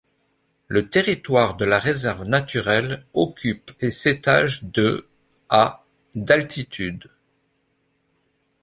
Le territoire de la réserve naturelle occupe et s'étage de à d’altitude.